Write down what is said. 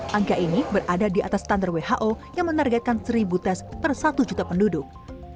angka ini berada di atas standar who yang menargetkan seribu tes per satu juta penduduk